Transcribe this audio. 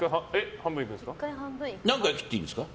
何回切っていいんですか？